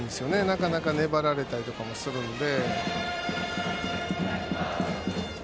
なかなか粘られたりとかするので。